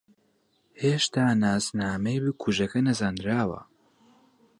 ھێشتا ناسنامەی بکوژەکە نەزانراوە.